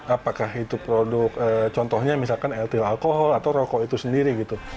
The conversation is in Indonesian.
apakah itu produk contohnya misalkan l tel alkohol atau rokok itu sendiri